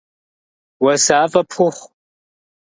Уасафӏэ пхухъу.